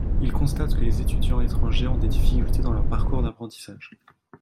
Il constate que les étudiants étrangers ont des difficultés dans leur parcours d'apprentissage.